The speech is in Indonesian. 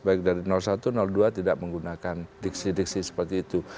baik dari satu dua tidak menggunakan diksi diksi seperti itu